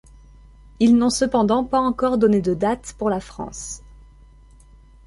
Ils n'ont cependant pas encore donné de dates pour la France.